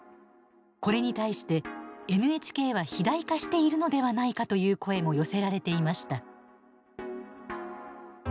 これに対して、ＮＨＫは肥大化しているのではないかという声も寄せられていました。